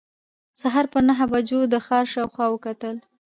سهار پر نهو بجو د ښار شاوخوا وکتل.